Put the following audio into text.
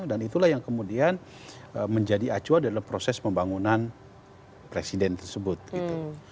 dan itulah yang kemudian menjadi acuan dalam proses pembangunan presiden tersebut gitu